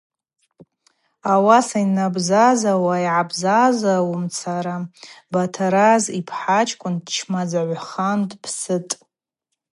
Ауаса йнабзазауа-йгӏабзазаумцара Батараз йпхӏа чкӏвын дчмазагӏвхан дпсытӏ.